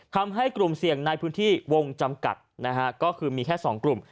ทำให้กลุ่มเสี่ยงในพื้นที่วงจำกัดนะฮะก็คือมีแค่๒กลุ่ม